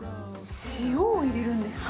塩を入れるんですか。